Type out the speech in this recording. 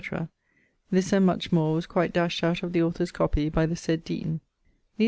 this and much more was quite dashed out of the author's copie by the sayd deane. These[CXX.